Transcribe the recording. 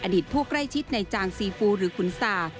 อดีตผู้ใกล้ชิดในจางซีฟูหรือคุณศา